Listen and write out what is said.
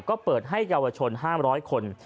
ก็เปิดให้เยาวชน๕๐๐คน